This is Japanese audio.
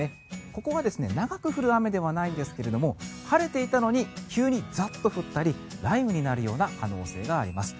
ここが長く降る雨ではないんですが晴れていたのに急にザッと降ったり雷雨になるような可能性があります。